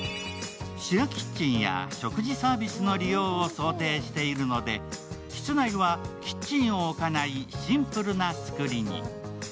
シェアキッチンや食事サービスの利用を想定しているので室内はキッチンを置かないシンプルな造りに。